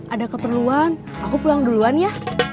ada keperluan aku pulang duluan ya